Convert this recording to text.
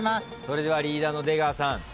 それではリーダーの出川さん